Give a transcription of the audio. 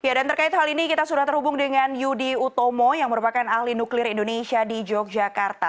ya dan terkait hal ini kita sudah terhubung dengan yudi utomo yang merupakan ahli nuklir indonesia di yogyakarta